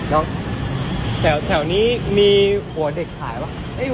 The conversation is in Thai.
น้องแถวนี้มีหัวเด็กหายป่าว